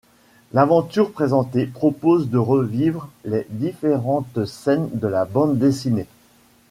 L'aventure présentée propose de revivre les différentes scènes de la bande dessinée.